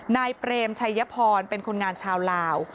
เปรมชัยพรเป็นคนงานชาวลาว